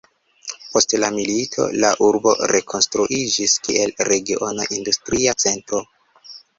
Post la milito la urbo rekonstruiĝis kiel regiona industria centro.